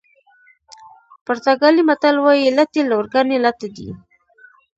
پرتګالي متل وایي لټې لورګانې لټه دي.